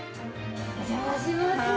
お邪魔します。